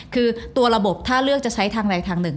คือตัวระบบถ้าเลือกจะใช้ทางใดทางหนึ่ง